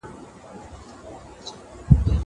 زه به لاس مينځلي وي!